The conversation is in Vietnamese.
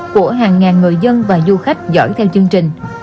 của hàng ngàn người dân và du khách giỏi theo chương trình